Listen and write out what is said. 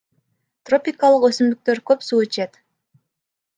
Тропикалык өсүмдүктөр көп суу ичет.